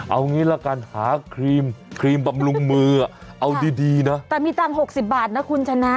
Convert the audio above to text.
เอางี้ละกันหาครีมครีมบำรุงมือเอาดีดีนะแต่มีตังค์๖๐บาทนะคุณชนะ